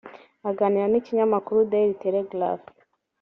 Aganira n’ikinyamakuru Daily Telegraph